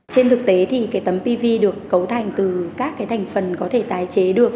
trên thực tế thì cái tấm pv được cấu thành từ các cái thành phần có thể tái chế được